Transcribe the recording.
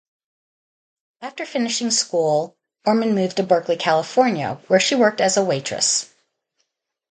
After finishing school, Orman moved to Berkeley, California, where she worked as a waitress.